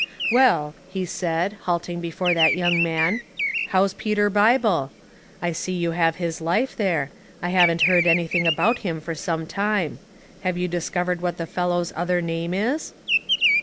" Well," he said, halting before that young 122 Household Puzzles, man, " how's Peter Bible ? I see you have his life there. I haven't heard anything h>»'^"^ him for some time. Have you discovered wiiat i,i*v. fellow's other name is